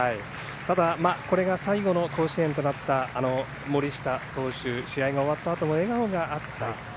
ただ、これが最後の甲子園となった森下投手は試合が終わったあとも笑顔があった。